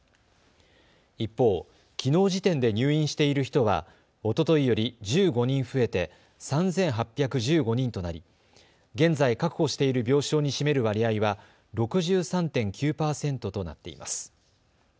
一方、きのう時点で入院している人は、おとといより１５人増えて３８１５人となり現在確保している病床に占める割合は６３．９％となっています。